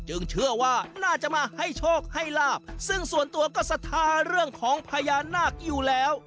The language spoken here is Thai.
เชื่อว่าน่าจะมาให้โชคให้ลาบซึ่งส่วนตัวก็ศรัทธาเรื่องของพญานาคอยู่แล้ว